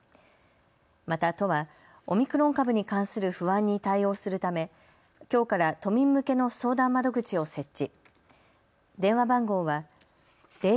また都はオミクロン株に関する不安に対応するためきょうから都民向けの相談窓口を設置。